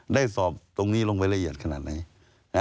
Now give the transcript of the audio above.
ได้สอบตรงนี้ลงไปละเอียดขนาดไหน